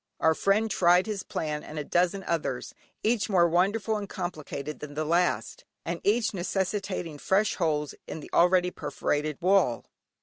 Our friend tried his plan and a dozen others, each more wonderful and complicated than the last, and each necessitating fresh holes in the already perforated wall.